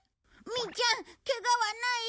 ミィちゃんケガはない？